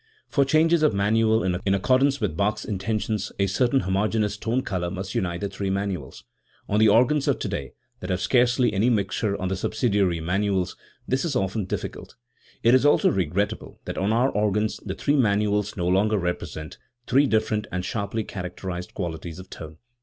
For changes of manual in accordance with Bach's in tentions a certain homogeneous tone colour must unite the three manuals. On the organs of today, that have scarcely any mixtures on the subsidiary manuals, this is often dif ficult. It is also regrettable that on our organs the three manuals no longer represent , three different and sharply characterised qualities of tone.